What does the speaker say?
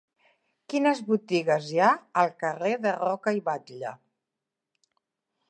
Quines botigues hi ha al carrer de Roca i Batlle?